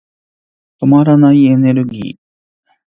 止まらないエネルギー。